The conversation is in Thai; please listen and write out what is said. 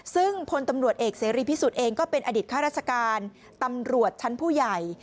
ซึ่งพลตำรวจเอกเสรีพิสุทธิ์เองก็เป็นอดีตข้าราชการตำรวจชั้นผู้ใหญ่